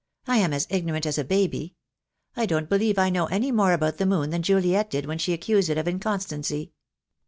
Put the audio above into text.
I am as ignorant as a baby. I don't believe I know any more about the moon than Juliet did when she accused it of inconstancy.